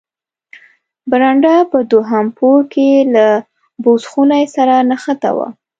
برنډه په دوهم پوړ کې له بوس خونې سره نښته وه.